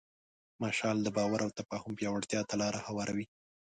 مشعل د باور او تفاهم پیاوړتیا ته لاره هواروي.